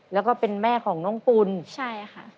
แล้วก็เป็นแม่ของน้องปุ่นใช่ค่ะ